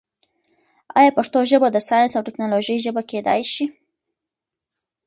آیا پښتو ژبه د ساینس او ټیکنالوژۍ ژبه کېدای شي؟